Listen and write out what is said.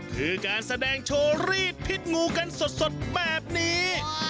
คือการแสดงโชว์รีดพิษงูกันสดแบบนี้